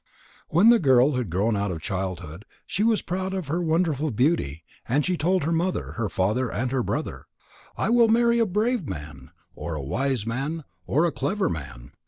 When the girl had grown out of childhood, she was proud of her wonderful beauty, and she told her mother, her father, and her brother: "I will marry a brave man or a wise man or a clever man.